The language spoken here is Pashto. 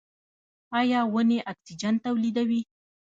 ایا ونې اکسیجن تولیدوي؟